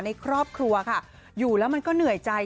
ในครอบครัวค่ะอยู่แล้วมันก็เหนื่อยใจ